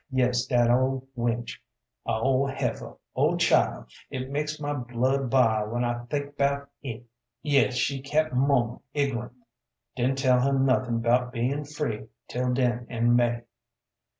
Yes dat ol' wench, a ol' heifer, oh child, it makes my blood bile when I think 'bout it. Yes she kept muma ig'runt. Didn't tell her nuthing 'bout being free 'til den in May.